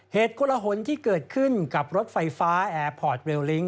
กลหนที่เกิดขึ้นกับรถไฟฟ้าแอร์พอร์ตเวลลิ้ง